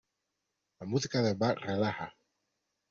La música de Bach relaja.